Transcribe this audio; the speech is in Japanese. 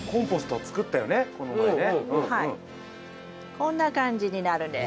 こんな感じになるんです。